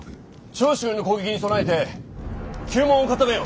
長州の攻撃に備えて九門を固めよ！